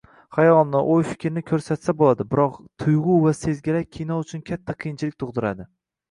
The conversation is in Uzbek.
Xayolni, oʻy-fikrni koʻrsatsa boʻladi, biroq tuygʻu va sezgilar kino uchun katta qiyinchilik tugʻdiradi